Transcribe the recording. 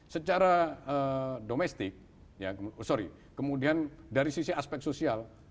secara domestik sorry kemudian dari sisi aspek sosial